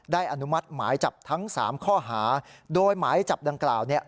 อนุมัติหมายจับทั้งสามข้อหาโดยหมายจับดังกล่าวเนี่ย